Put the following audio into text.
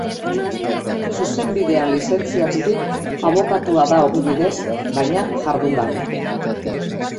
Zuzenbidean lizentziaturik, abokatua da ogibidez, baina jardun gabe.